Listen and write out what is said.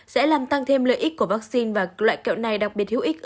sẽ làm tăng thêm lợi ích của vaccine và loại kẹo này đặc biệt hữu ích